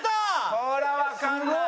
これはわかんない。